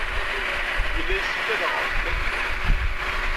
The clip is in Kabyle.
Yella yessefk ad aɣeɣ gma-twen.